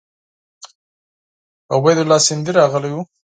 عبیدالله سیندهی راغلی وو.